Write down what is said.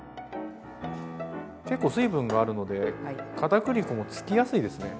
結構水分があるのでかたくり粉もつきやすいですね。